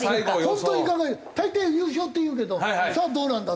本当に考えて大抵優勝っていうけどさあどうなんだ？